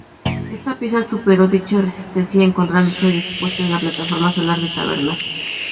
Esta pieza superó dicha resistencia, encontrándose hoy expuesta en la Plataforma Solar de Tabernas.